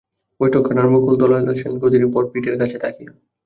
বৈঠকখানার মুকুন্দলাল বসেন গদির উপর, পিঠের কাছে তাকিয়া।